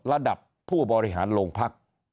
ระดับผู้บริหารโรงพัก